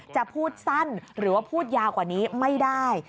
จะพูดสั้นหรือว่าพูดยาวกว่านี้ไม่ได้